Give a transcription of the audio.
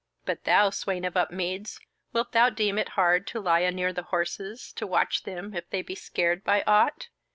But thou, Swain of Upmeads, wilt thou deem it hard to lie anear the horses, to watch them if they be scared by aught?"